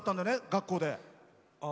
学校で。